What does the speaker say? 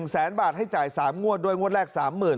แสนบาทให้จ่าย๓งวดด้วยงวดแรก๓๐๐๐